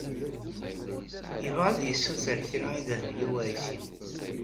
Yebɣa ad yessuter kra i Dehbiya u Ɛisiw.